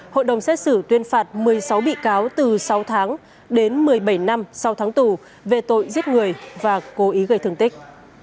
hội đồng xét xử tuyên phạt một mươi sáu bị cáo từ sáu tháng đến một mươi bảy năm sau tháng tù về tội giết người và cố ý gây thương tích